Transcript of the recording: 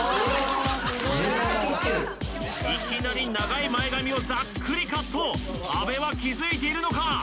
めっちゃ切ってるいきなり長い前髪をざっくりカット安部は気づいているのか？